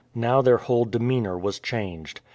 Now their whole demeanour was changed.